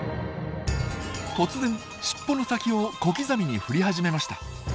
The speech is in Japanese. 突然しっぽの先を小刻みに振り始めました。